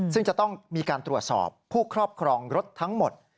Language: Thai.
ซึ่งจะต้องมีการตรวจสอบผู้ครอบครองรถทั้งหมด